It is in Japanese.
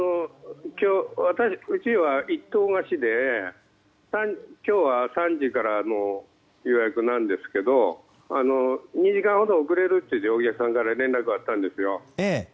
うちは１棟貸しで今日は３時からの予約なんですが２時間ほど遅れるとお客さんから連絡があったんですよ。